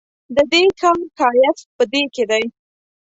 ددې ښار ښایست په دې کې دی.